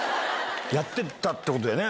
やってたってことだよね？